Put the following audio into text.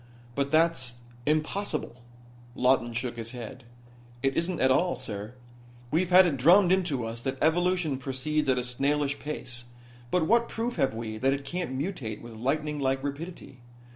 "But that's impossible." Lawton shook his head. "It isn't at all, sir. We've had it drummed into us that evolution proceeds at a snailish pace, but what proof have we that it can't mutate with lightning like rapidity?